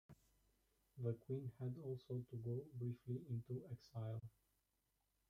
The queen had also to go briefly into exile.